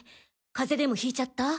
風邪でもひいちゃった？